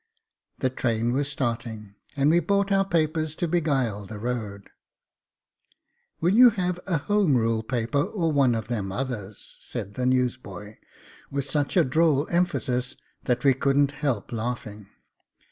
The train was starting and we bought our papers to beguile the road. 'Will you have a Home Rule paper or one of them others?' said the newsboy, with such a droll emphasis that we couldn't help laughing.